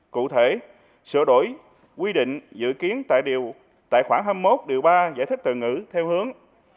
cụ thể sửa đổi quy định dự kiến tại khoảng hai mươi một ba giải thích từ ngữ theo hướng